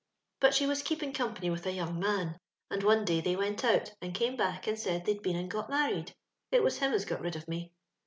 But she was keeping com pany with a young man, and one day they went out, and came back and said they'd been and got married. It was him as got rid of me.